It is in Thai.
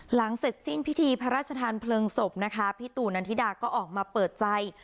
หลังเสร็จสิ้นพิธีพระราชทานเพลิงศพนะคะพี่ตู่นันทิดาก็ออกมาเปิดใจ